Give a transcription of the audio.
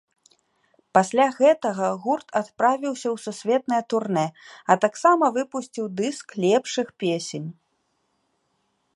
Пасля гэтага гурт адправіўся ў сусветнае турнэ, а таксама выпусціў дыск лепшых песень.